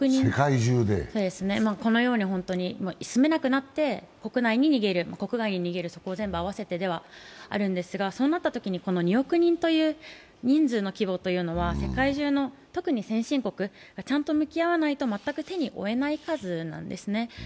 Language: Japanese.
このように住めなくなって国内と国外に逃げる、そこを全部合わせてではあるんですが、そうなったときにこの２億人という人数の規模というのは、世界中の、特に先進国ちゃんと向き合わないと全く手に負えない数なんですね。